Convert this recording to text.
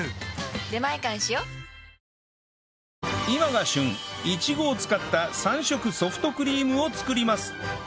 イチゴを使った３色ソフトクリームを作ります